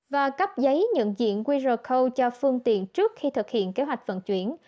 và cấp giấy nhận diện qr code cho phương tiện trước khi thực hiện kế hoạch vận chuyển